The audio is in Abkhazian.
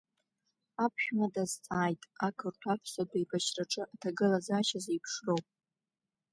Аԥшәма дазҵааит ақырҭуа-аԥсуатә еибашьраҿы аҭагылазаашьа зеиԥшроу.